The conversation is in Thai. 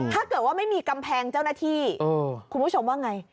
ถ้าเกิดว่าไม่มีกำแพงเจ้าหน้าที่คุณผู้ชมว่าไง